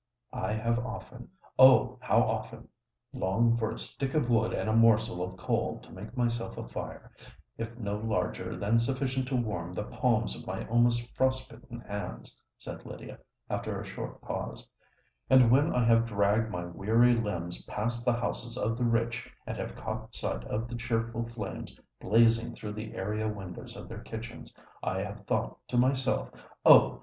"I have often—oh! how often—longed for a stick of wood and a morsel of coal to make myself a fire, if no larger than sufficient to warm the palms of my almost frost bitten hands," said Lydia, after a short pause; "and when I have dragged my weary limbs past the houses of the rich, and have caught sight of the cheerful flames blazing through the area windows of their kitchens, I have thought to myself, '_Oh!